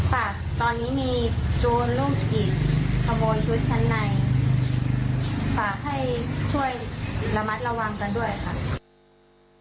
ภาษาตอนนี้มีจูนลูกหญิงขโมยชุดชั้นใน